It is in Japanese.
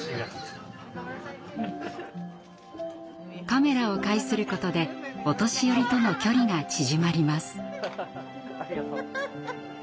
カメラを介することでお年寄りとの距離が縮まります。